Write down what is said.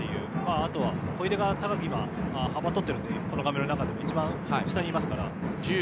あとは小出が幅を取っているので画面でも一番下にいますから。